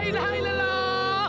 hilal ilah ilah